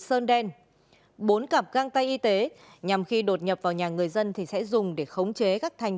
sơn đen bốn cặp găng tay y tế nhằm khi đột nhập vào nhà người dân thì sẽ dùng để khống chế các thành